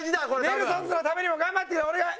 ネルソンズのためにも頑張ってくれお願い！